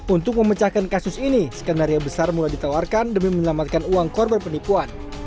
untuk memecahkan kasus ini skenario besar mulai ditawarkan demi menyelamatkan uang korban penipuan